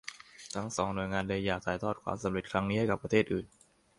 ทั้งสองหน่วยงานเลยอยากถ่ายทอดความสำเร็จครั้งนี้ให้กับประเทศอื่น